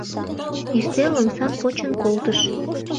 Ӱстел омсам почын колтыш...